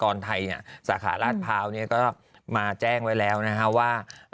ทางธนาคารกสิกรไทยสาขาลาภาวนี่ก็มาแจ้งไว้แล้วนะฮะว่า